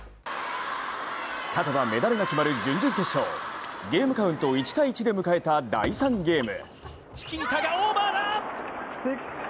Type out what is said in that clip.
勝てばメダルが決まる準々決勝ゲームカウント１−１で迎えた第３ゲーム。